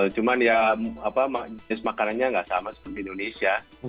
cuman ya jenis makanannya nggak sama seperti indonesia